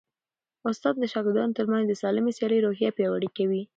استاد د شاګردانو ترمنځ د سالمې سیالۍ روحیه پیاوړې کوي.